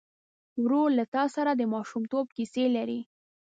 ورور له تا سره د ماشومتوب کیسې لري.